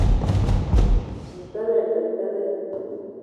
Tə tele! Te tele.